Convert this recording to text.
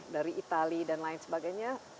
dari itali dan lain sebagainya